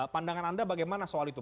pandangan anda bagaimana soal itu